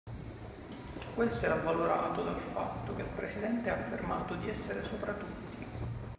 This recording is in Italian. Questo è avvalorato dal fatto che il presidente ha affermato di essere sopra tutti.